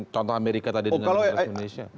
contoh amerika tadi dengan ils indonesia